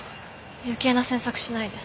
余計な詮索しないで。